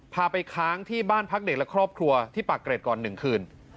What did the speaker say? พาไปค้างที่บ้านพักเด็กและครอบครัวที่ปากเกร็ดก่อน๑คืน